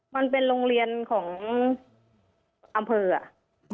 มันเป็นโรงเรียนของอำเภออ่ะ